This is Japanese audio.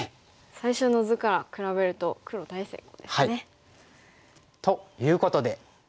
最初の図から比べると黒大成功ですね。ということで。